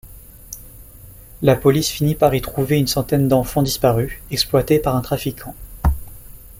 La police finit par y trouver une centaine d'enfants disparus, exploités par un trafiquant.